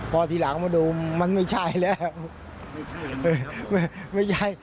พอทีหลังมาดูมันไม่ใช่แล้ว